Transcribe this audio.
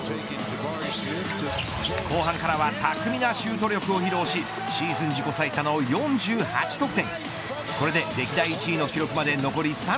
後半からは巧みなシュート力を披露しシーズン自己最多の４８得点。